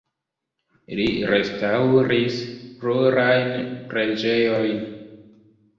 Li restaŭris plurajn preĝejojn.